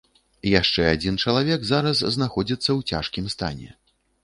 Яшчэ адзін чалавек зараз знаходзіцца ў цяжкім стане.